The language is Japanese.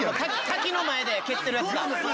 滝の前で蹴ってるやつか。